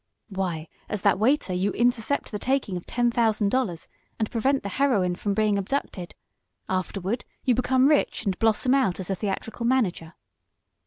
Why, as that waiter you intercept the taking of ten thousand dollars, and prevent the heroine from being abducted. Afterward you become rich, and blossom out as a theatrical manager."